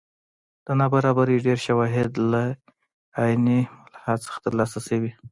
د نابرابرۍ ډېر شواهد له عین ملاحا څخه ترلاسه شوي.